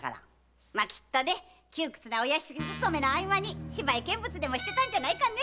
きっと窮屈なお屋敷勤めの合間に芝居見物でもしてたんだろうね。